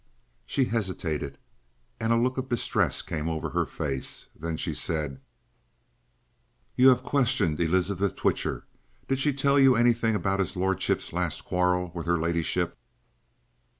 She hesitated, and a look of distress came over her face. Then she said: "You have questioned Elizabeth Twitcher. Did she tell you anything about his lordship's last quarrel with her ladyship?"